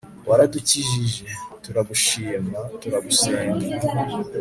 waradukijije, turagushima, turagusenga